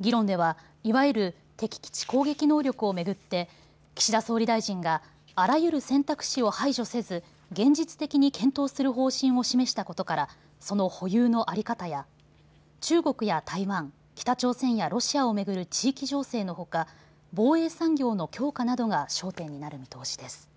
議論ではいわゆる敵基地攻撃能力を巡って岸田総理大臣があらゆる選択肢を排除せず現実的に検討する方針を示したことからその保有の在り方や中国や台湾、北朝鮮やロシアを巡る地域情勢のほか防衛産業の強化などが焦点になる見通しです。